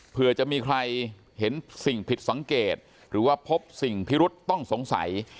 เพื่อจะมีใครเห็นสิ่งผิดสังเกตหรือว่าพบสิ่งพิรุษต้องสงสัย